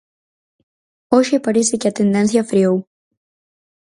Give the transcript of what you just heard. Hoxe parece que a tendencia freou.